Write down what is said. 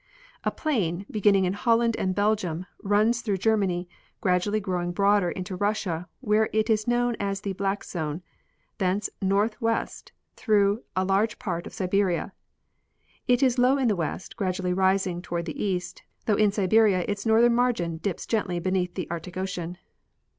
A plain, beginning in Holland and Belgium, runs through Ger many, gradually growing broader, into Russia, Avhere it is known as the Black zone ; thence northeastward through a large part of Siberia. It is low in the west, gradually rising toward the east, though in Siberia its northern margin dips gently beneath the Arctic ocean.